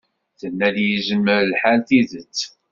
Tenna-d yezmer lḥal tidet.